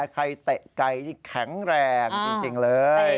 เตะไก่นี่แข็งแรงจริงเลย